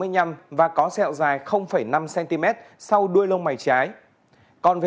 nằm ở định tình hình